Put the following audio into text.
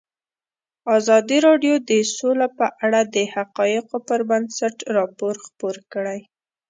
ازادي راډیو د سوله په اړه د حقایقو پر بنسټ راپور خپور کړی.